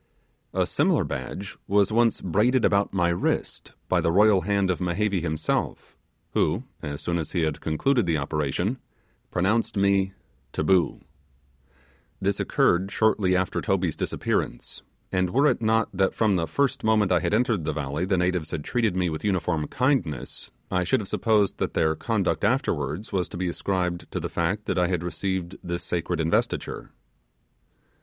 A similar badge was once braided about my wrist by the royal hand of Mehevi himself, who, as soon as he had concluded the operation, pronounced me 'Taboo'. This occurred shortly after Toby's disappearance; and, were it not that from the first moment I had entered the valley the natives had treated me with uniform kindness, I should have supposed that their conduct afterwards was to be ascribed to the fact that I had received this sacred investiture.